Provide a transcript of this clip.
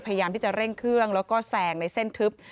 พยายามที่จะเร่งเครื่องแล้วก็แซงในเส้นทึบ